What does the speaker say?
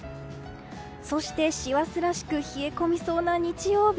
そして、師走らしく冷え込みそうな日曜日。